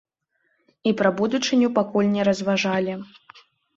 І пра будучыню пакуль не разважалі.